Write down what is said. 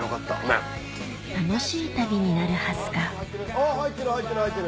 あ入ってる入ってる入ってる！